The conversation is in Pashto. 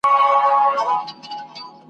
د هغه مرحوم په ویر کي ولیکل,